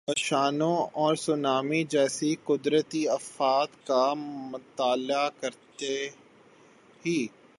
فشانوں اور سونامی جیسی قدرتی آفات کا مطالعہ کرتا ہی۔